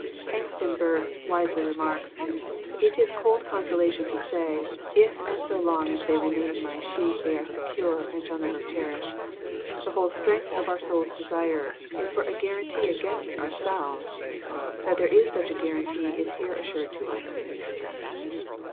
Hengstenberg wisely remarks :" It is cold consolation to say, if and so long as they remain my sheep they are secure, and shall never perish. The whole strength of oar sonl's desire is for a guarantee against ourselves. That there is such a guar ' antee is here assured to us."